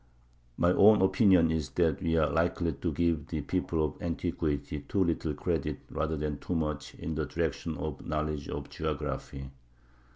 My own opinion is that we are likely to give the people of antiquity too little credit rather than too much in the direction of a knowledge of geography.